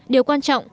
điều quan trọng